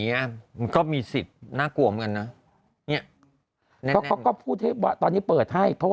มันก็มีสิทธิ์น่ากลมกันนะเนี่ยก็พูดว่าตอนนี้เปิดให้เพราะ